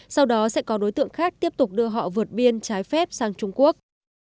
sau đó sẽ có đối tượng khác tiếp tục đưa họ vượt biên trái phép sang trung quốc